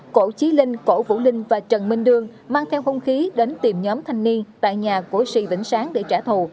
cổ trí linh cổ vũ linh và trần minh đương mang theo hung khí đến tìm nhóm thanh niên tại nhà của sĩ vĩnh sáng để trả thù